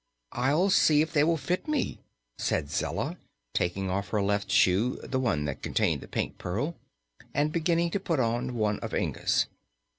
"I'll see if they will fit me," said Zella, taking off her left shoe the one that contained the Pink Pearl and beginning to put on one of Inga's.